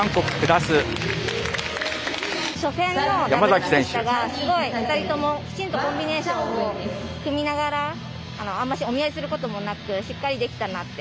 初戦のダブルスでしたがすごい２人ともきちんとコンビネーションをとりながらお見合いすることもなくしっかりできたなって。